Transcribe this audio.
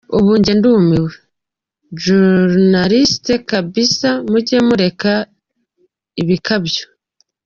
ubu njye ndumiwe!!journalist kabisa mujye mureka ibikabyo.